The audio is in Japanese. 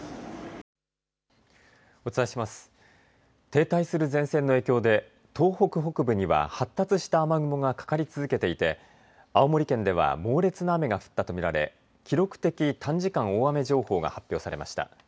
停滞する前線の影響で東北北部には発達した雨雲がかかり続けていて青森県では猛烈な雨が降ったと見られ記録的短時間大雨情報が発表されました。